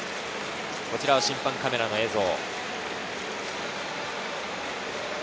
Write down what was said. こちらは審判カメラの映像。